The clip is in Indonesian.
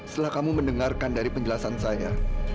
setelah kamu mendengarkan dari penjelasan saya